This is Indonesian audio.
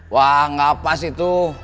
wah gak pas itu